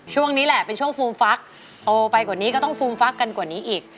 ช่วงนี้แหละเป็นช่วงฟูมฟักโตไปกว่านี้ก็ต้องฟูมฟักกันกว่านี้อีก